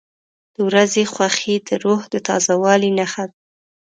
• د ورځې خوښي د روح د تازه والي نښه ده.